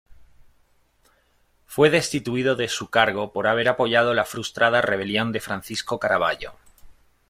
Fue destituido de su cargo por haber apoyado la frustrada rebelión de Francisco Caraballo.